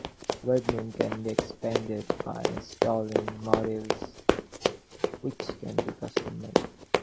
Webmin can be expanded by installing modules, which can be custom made.